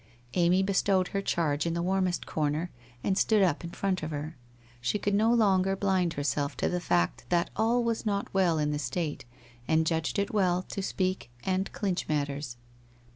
Amy bestowed her charge in the warmest corner and stood up in front of her. She could no longer blind herself to the WHITE ROSE OF WEARY LEAF. 195 fact that all was not well in the state, and judged it well to speak and clinch matters.